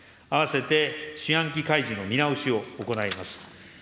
併せて、四半期開示の見直しを行います。